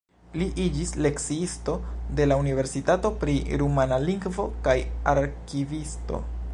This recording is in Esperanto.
Li iĝis lekciisto de la universitato pri rumana lingvo kaj arkivisto.